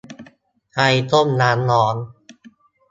ใครต้มน้ำร้อน ?